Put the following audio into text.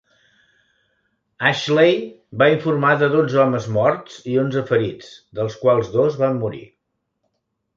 Ashley va informar de dotze homes morts i onze ferits, dels quals dos van morir.